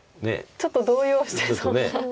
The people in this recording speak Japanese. ちょっと動揺してそうな。